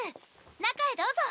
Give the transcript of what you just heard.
中へどうぞ！